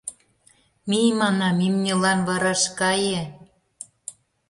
Мий, манам, имньылан вараш кае.